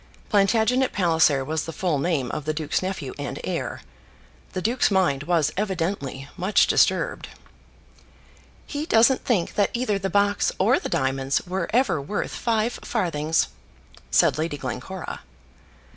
Plantagenet Palliser was the full name of the duke's nephew and heir. The duke's mind was evidently much disturbed. "He doesn't think that either the box or the diamonds were ever worth five farthings," said Lady Glencora.